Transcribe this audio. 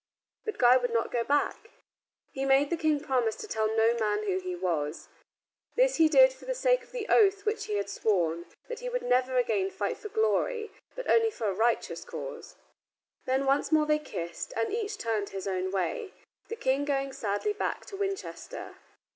But Guy would not go back. He made the King promise to tell no man who he was. This he did for the sake of the oath which he had sworn, that he would never again fight for glory but only for a righteous cause. Then once more they kissed, and each turned his own way, the King going sadly back to Winchester.